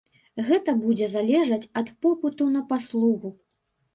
Гэта будзе залежаць ад попыту на паслугу.